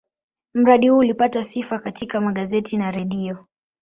Mradi huu ulipata sifa katika magazeti na redio.